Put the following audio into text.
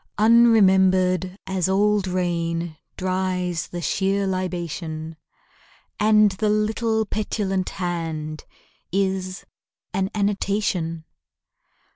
Unremembered as old rain Dries the sheer libation; And the little petulant hand Is an annotation.